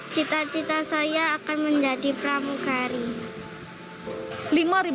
cita cita saya akan menjadi pramukari